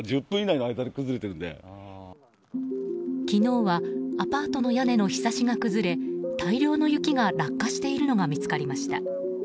昨日はアパートの屋根のひさしが崩れ大量の雪が落下しているのが見つかりました。